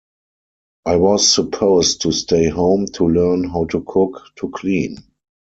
I was supposed to stay home to learn how to cook, to clean.